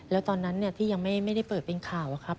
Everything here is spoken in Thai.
แล้วตอนนั้นที่ยังไม่ได้เปิดเป็นข่าวอะครับ